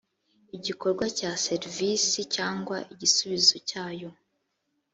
igikorwa cya serivisi cyangwa igisubizo cyayo